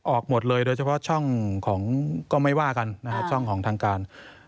ออกหมดเลยโดยเฉพาะช่องของก็ไม่ว่ากันนะฮะช่องของทางการ